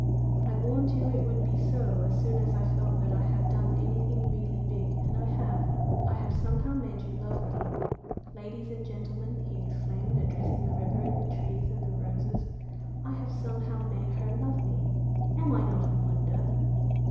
I warned you it would be so as soon as I felt that I had done anything really big, and I have. I have somehow made you love me. Ladies and gentlemen," he exclaimed, addressing the river and the trees and the roses, "I have somehow made her love me! Am I not a wonder?"